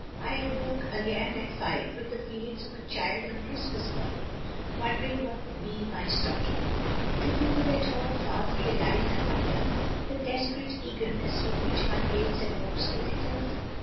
I awoke again at 5 with the feelings of a child on Christmas morningy wondering what would be in my stocking. Do people at home half realise, I wonder, the desperate eagerness with which one waits and hopes for letters?